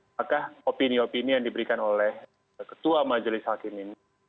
apakah opini opini yang diberikan oleh ketua majelis hakim ini